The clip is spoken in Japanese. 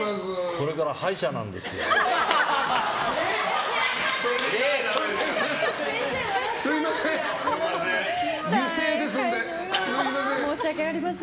これから歯医者なんですよ。